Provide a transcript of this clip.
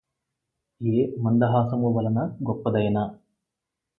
ఏ మందహాసమువలన గొప్పదైన